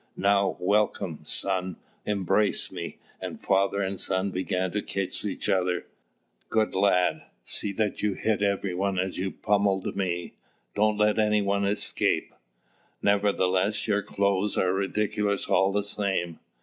Now, welcome, son! embrace me," and father and son began to kiss each other. "Good lad! see that you hit every one as you pommelled me; don't let any one escape. Nevertheless your clothes are ridiculous all the same.